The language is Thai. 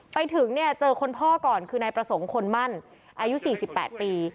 ไปถึงเนี่ยเจอคนพ่อก่อนคือนายประสงค์คนมั่นอายุ๔๘ปี